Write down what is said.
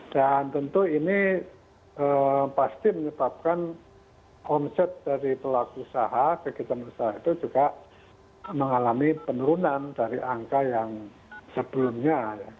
dan tentu ini pasti menyebabkan omset dari pelaku usaha kegiatan usaha itu juga mengalami penurunan dari angka yang sebelumnya